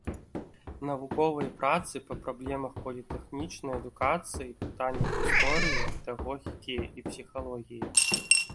Навуковыя працы па праблемах політэхнічнай адукацыі, пытаннях гісторыі педагогікі і псіхалогіі.